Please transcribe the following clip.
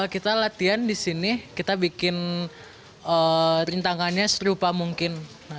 kita latihan disini kita bikin rintangannya serupa mungkin